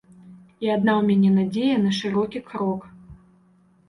І адна ў мяне надзея на шырокі крок.